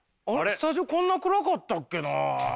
スタジオこんな暗かったっけな。